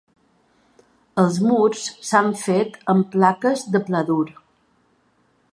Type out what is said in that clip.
Els murs s'han fet amb plaques de Pladur.